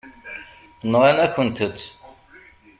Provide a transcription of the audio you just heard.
Nɣan-akent-tt.